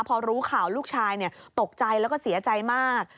พอรู้ข่าวลูกชายตกใจแล้วก็เสียใจมาก